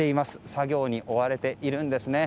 作業に追われているんですね。